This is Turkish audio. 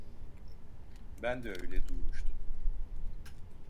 Ben de öyle duymuştum.